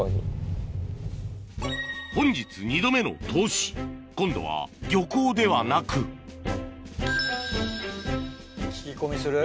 本日２度目の答志今度は漁港ではなく聞き込みする？